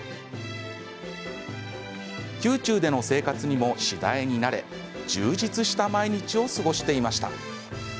宮中での生活にも次第に慣れ充実した毎日を過ごしていました。